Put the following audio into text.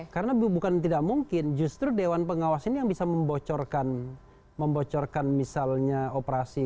karena bukan tidak mungkin justru dewan pengawas ini yang bisa membocorkan misalnya operasi